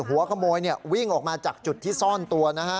หัวขโมยวิ่งออกมาจากจุดที่ซ่อนตัวนะฮะ